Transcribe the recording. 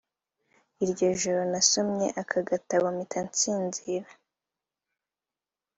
iryo joro nasomye ako gatabo mpita nsinzira